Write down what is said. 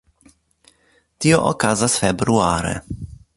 Tio okazas februare.